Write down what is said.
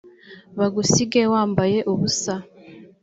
bagusige wambaye ubusa